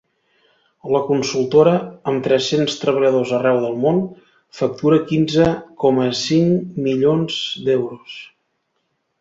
La consultora, amb tres-cents treballadors arreu del món, factura quinze coma cinc milions d’euros.